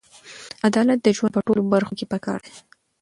عدالت د ژوند په ټولو برخو کې پکار دی.